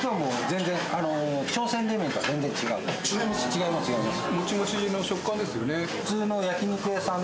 違います違います。